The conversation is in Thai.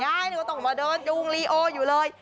ก็ต้องมาเดินจูงลีโออยู่เลย